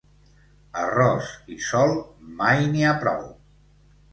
Arròs i sol, mai n'hi ha prou.